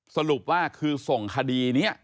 สรุปว่าคือส่งคดีนี้